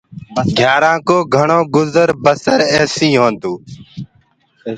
گھيآرآنٚ ڪو گھڻو گُجر بسر ايسي ئي هوندو هي۔